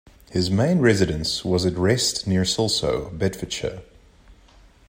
His main residence was at Wrest near Silsoe, Bedfordshire.